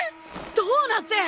どうなって。